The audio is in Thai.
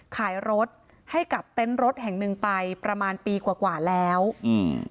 ขายรถให้กับเต็นต์รถแห่งหนึ่งไปประมาณปีกว่ากว่าแล้วอืม